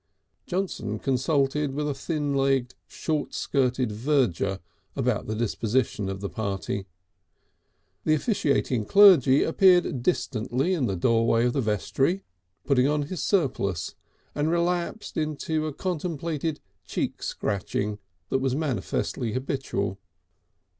Johnson consulted with a thin legged, short skirted verger about the disposition of the party. The officiating clergy appeared distantly in the doorway of the vestry, putting on his surplice, and relapsed into a contemplative cheek scratching that was manifestly habitual.